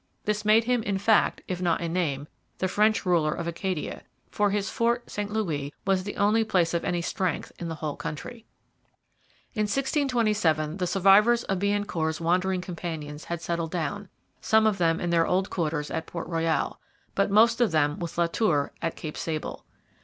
This made him in fact, if not in name, the French ruler of Acadia, for his Fort St Louis was the only place of any strength in the whole country. By 1627 the survivors of Biencourt's wandering companions had settled down, some of them in their old quarters at Port Royal, but most of them with La Tour at Cape Sable.